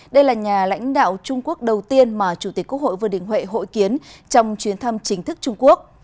đây là nhà lãnh đạo trung quốc đầu tiên mà chủ tịch quốc hội vương đình huệ hội kiến trong chuyến thăm chính thức trung quốc